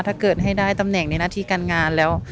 ถ้าเกิดให้ได้ตำแหน่งในหน้าที่การงานแล้ว